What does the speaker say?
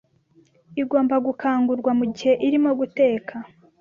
Igomba gukangurwa mugihe irimo guteka.